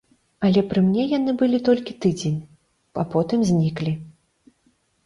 Але пры мне яны былі толькі тыдзень, а потым зніклі.